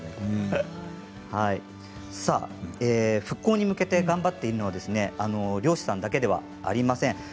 復興に向けて頑張っているのは漁師さんだけではありません。